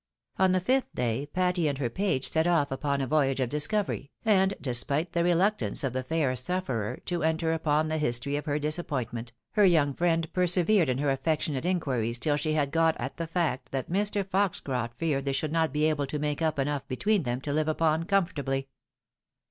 On the fifth day Patty and her page set off upon a voyage of discovery, and despite the reluctance of the f^r sufferer to enter upon the history of her disappointment, her young friend persevered in her affectionate inquiries till she ha,d got at the feet that Mi . Foxcroft feared they should not be able to make up enough between them to live upon comfortably.